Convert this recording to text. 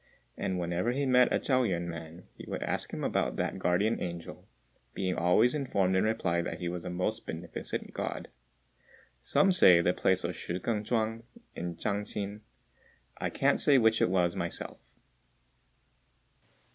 And whenever he met a Chao yüan man he would ask him about that guardian angel, being always informed in reply that he was a most beneficent God. Some say the place was Shih k'êng chuang, in Chang ch'in: I can't say which it was myself.